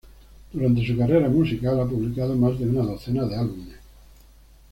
Durante su carrera musical, ha publicado más de una docena de álbumes.